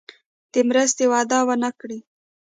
د مرستې وعده ونه کړي.